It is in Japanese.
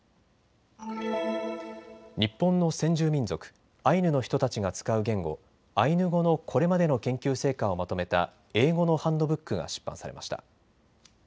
日本の先住民族、アイヌの人たちが使う言語、アイヌ語のこれまでの研究成果をまとめた英語のハンドブックが出版されました。